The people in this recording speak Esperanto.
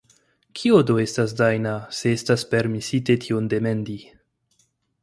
Kiu do estas Dajna, se estas permesite tion demandi.